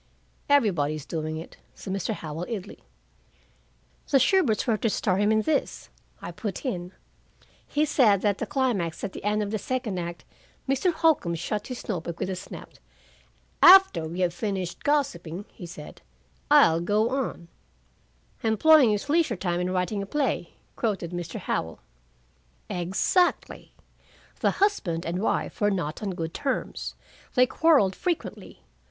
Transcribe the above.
'" "Everybody's doing it," said Mr. Howell idly. "The Shuberts were to star him in this," I put in. "He said that the climax at the end of the second act " Mr. Holcombe shut his note book with a snap. "After we have finished gossiping," he said, "I'll go on." "'Employing his leisure time in writing a play '" quoted Mr. Howell. "Exactly. 'The husband and wife were not on good terms. They quarreled frequently.